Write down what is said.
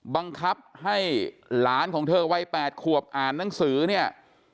บังคับให้หลานของเธอวัย๘ขวบอ่านหนังสือเนี่ย